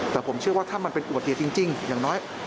แต่ผมเชื่อว่าถ้ามันเป็นอุบัติเหตุจริงอย่างน้อย